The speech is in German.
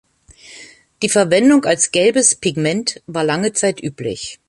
Die Verwendung als gelbes Pigment war lange Zeit üblich.